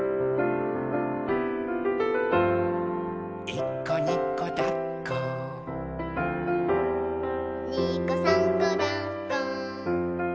「いっこにこだっこ」「にこさんこだっこ」